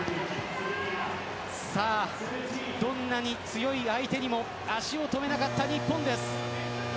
どんなに強い相手にも足を止めなかった日本です。